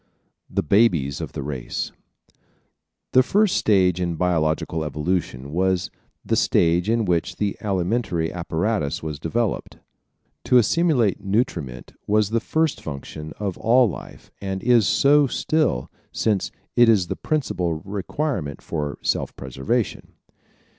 The Babies of the Race ¶ The first stage in biological evolution was the stage in which the alimentary apparatus was developed. To assimilate nutriment was the first function of all life and is so still, since it is the principal requirement for self preservation.